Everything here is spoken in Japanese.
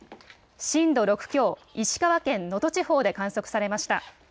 震度６強、石川県能登地方で観測されました。